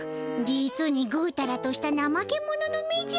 実にぐうたらとしたなまけ者の目じゃ。